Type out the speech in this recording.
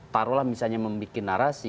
taruhlah misalnya membuat narasi